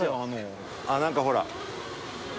何かほら。